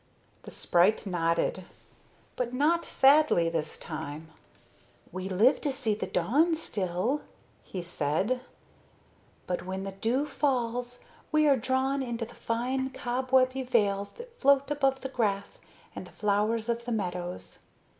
The sprite nodded, but not sadly this time. "We live to see the dawn still," he said, "but when the dew falls, we are drawn into the fine cobwebby veils that float above the grass and the flowers of the meadows.